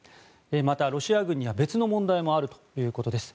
また、ロシア軍には別の問題もあるということです。